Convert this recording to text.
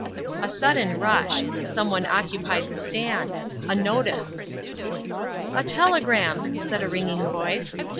A sudden rush. Some one occupied the stand. A notice. "A telegram!" said a ringing voice.